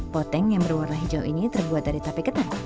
poteng yang berwarna hijau ini terbuat dari tape ketan